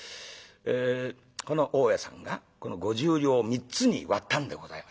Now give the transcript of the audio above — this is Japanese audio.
えこの大家さんがこの５０両を３つに割ったんでございますな。